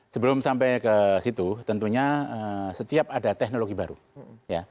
sebelum sampai ke situ tentunya setiap ada teknologi baru ya